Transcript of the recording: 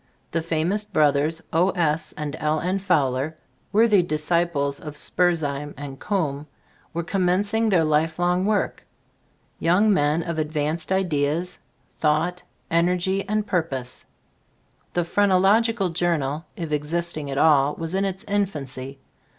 The famops brothers, O. S. and L. N. Fowler, worthy dis ciples of Spurzheim and Coombe, were commencing their lifelong work. Young men of advanced ideas, thought, energy and purpose. The "Phrenological Journal," if existing at all, was in its infancy.